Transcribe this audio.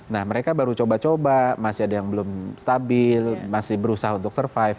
nah mereka baru coba coba masih ada yang belum stabil masih berusaha untuk survive